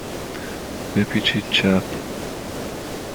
بپیچید چپ.